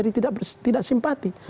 orang lain menjadi tidak simpati